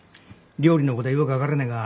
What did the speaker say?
料理のことはよく分からねえ